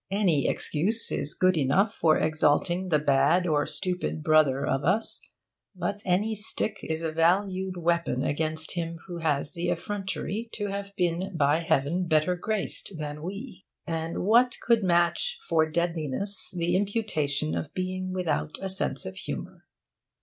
Any excuse is good enough for exalting the bad or stupid brother of us, but any stick is a valued weapon against him who has the effrontery to have been by Heaven better graced than we. And what could match for deadliness the imputation of being without sense of humour?